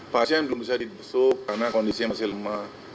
pasien belum bisa dibesuk karena kondisinya masih lemah